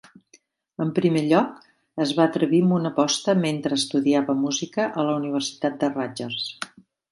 En primer lloc, es va atrevir amb una aposta mentre estudiava música a la Universitat de Rutgers.